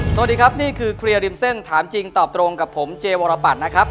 สวัสดีครับนี่คือเคลียร์ริมเส้นถามจริงตอบตรงกับผมเจวรปัตรนะครับ